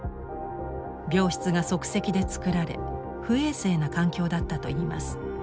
病室が即席で作られ不衛生な環境だったといいます。